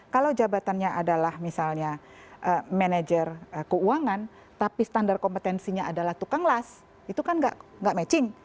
kalau jabatannya adalah misalnya manajer keuangan tapi standar kompetensinya adalah tukang las itu kan nggak matching